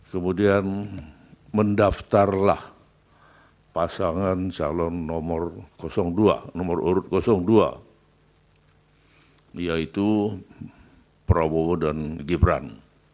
kemudian mendaftarlah pasangan calon nomor dua nomor urut dua yaitu prabowo dan gibran